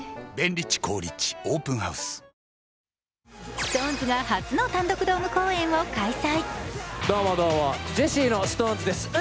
ＳｉｘＴＯＮＥＳが初の単独ドーム公演を開催。